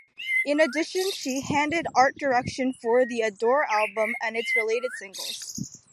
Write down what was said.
In addition, she handled art direction for the "Adore" album and its related singles.